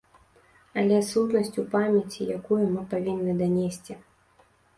Але сутнасць у памяці, якую мы павінны данесці.